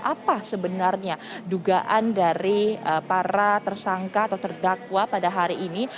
apa sebenarnya dugaan dari para tersangka atau terdakwa pada hari ini